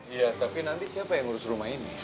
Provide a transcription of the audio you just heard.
iya tapi nanti siapa yang ngurus rumah ini